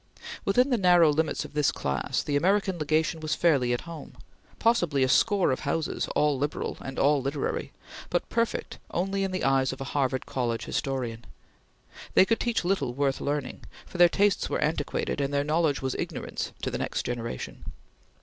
Within the narrow limits of this class, the American Legation was fairly at home; possibly a score of houses, all liberal, and all literary, but perfect only in the eyes of a Harvard College historian. They could teach little worth learning, for their tastes were antiquated and their knowledge was ignorance to the next generation.